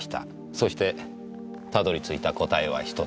そして辿りついた答えは１つ。